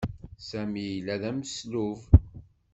Sami yella d ameslub.